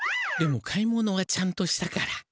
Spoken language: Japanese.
でも買い物はちゃんとしたから。